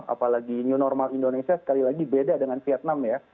apalagi new normal indonesia sekali lagi beda dengan vietnam ya